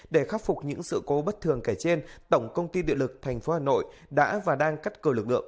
để khắc phục những sự cố bất thường kể trên tổng công ty địa lực thành phố hà nội đã và đang cắt cầu lực lượng